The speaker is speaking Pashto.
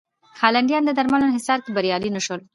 هالنډیان د درملو انحصار کې بریالي نه شول.